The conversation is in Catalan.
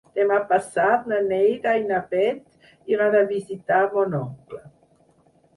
Demà passat na Neida i na Bet iran a visitar mon oncle.